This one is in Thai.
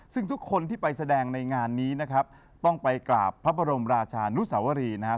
ซึ่งทุกคนที่ไปแสดงในงานนี้นะครับต้องไปกราบพระบรมราชานุสวรีนะครับ